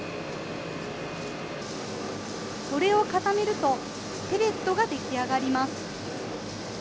これを固めると、ペレットが出来上がります。